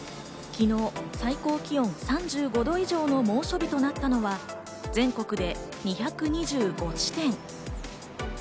昨日、最高気温３５度以上の猛暑日となったのは、全国で２２５地点。